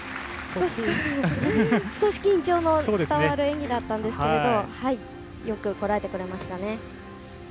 少し緊張も伝わる演技だったんですがよく、こらえてくれましたね。